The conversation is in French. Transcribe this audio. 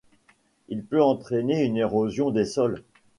Il peut entraîner une érosion des sols.